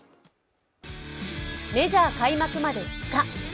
メジャー開幕まで２日。